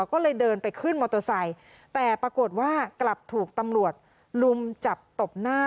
ก็เลยเดินไปขึ้นมอเตอร์ไซค์แต่ปรากฏว่ากลับถูกตำรวจลุมจับตบหน้า